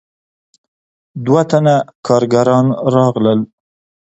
دوه تنه کارګران راغلل.